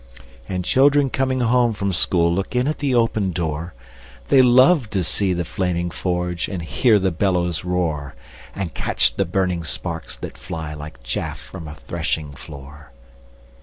And children coming home from school Look in at the open door; They love to see the flaming forge, And hear the bellows roar, And catch the burning sparks that fly, Like chaff from a threshing floor.